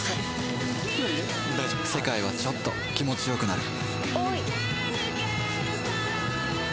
世界はちょっと気持ちよくなる